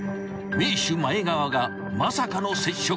［名手前川がまさかの接触］